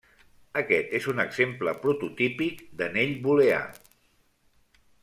Aquest és un exemple prototípic d'anell booleà.